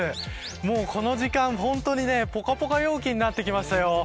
もうこの時間、本当にぽかぽか陽気になってきましたよ。